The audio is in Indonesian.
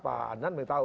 pak anan beritahu